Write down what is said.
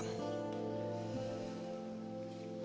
kalau udah kayak gini